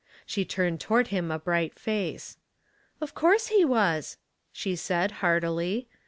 She turned toward him a bright face. " Of course he was," she said, heartily.